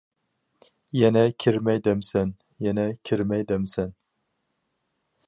يەنە كىرمەي دەمسەن، يەنە كىرمەي دەمسەن.